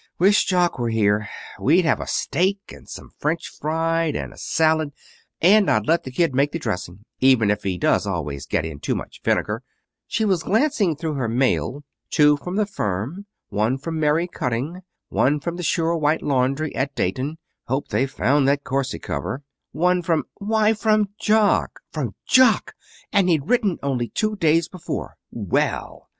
Wish Jock were here. We'd have a steak, and some French fried, and a salad, and I'd let the kid make the dressing, even if he does always get in too much vinegar " She was glancing through her mail. Two from the firm one from Mary Cutting one from the Sure White Laundry at Dayton (hope they found that corset cover) one from why, from Jock! From Jock! And he'd written only two days before. Well!